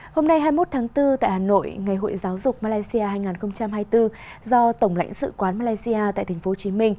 hôm nay hai mươi một tháng bốn tại hà nội ngày hội giáo dục malaysia hai nghìn hai mươi bốn do tổng lãnh sự quán malaysia tại tp hcm